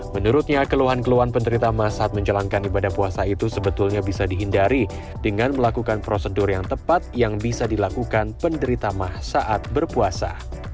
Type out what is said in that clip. menurutnya keluhan keluhan penderita mah saat menjalankan ibadah puasa itu sebetulnya bisa dihindari dengan melakukan prosedur yang tepat yang bisa dilakukan penderita mah saat berpuasa